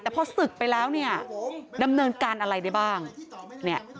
แต่พอศึกไปแล้วเนี่ยดำเนินการอะไรได้บ้างเนี่ย